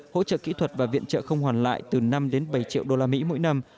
hỗ trợ kỹ thuật và viện trợ không hoàn lại từ năm đến bảy triệu usd mỗi năm